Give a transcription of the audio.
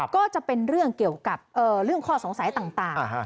ก็จะเป็นเรื่องเกี่ยวกับเรื่องข้อสงสัยต่าง